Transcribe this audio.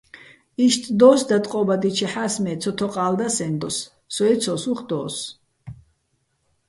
იშტ დო́ს, დატყობადიჩეჰ̦ას, მე ცოთოყალ და სეჼ დოს, სო ეცო́ს, უ̂ხ დო́ს.